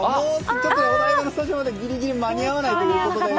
ちょっとお台場のスタジオまでぎりぎり間に合わないということで。